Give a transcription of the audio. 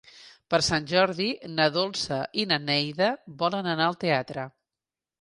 Per Sant Jordi na Dolça i na Neida volen anar al teatre.